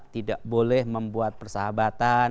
tidak boleh membuat persahabatan